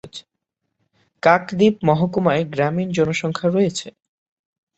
কাকদ্বীপ মহকুমায় গ্রামীণ জনসংখ্যা রয়েছে।